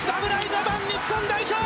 ジャパン日本代表